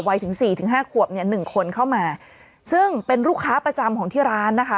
ถึงสี่ถึงห้าขวบเนี่ยหนึ่งคนเข้ามาซึ่งเป็นลูกค้าประจำของที่ร้านนะคะ